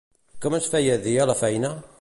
Com es feia dir a la feina?